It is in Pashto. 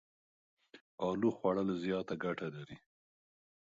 الو خوړ ل زياته ګټه لري.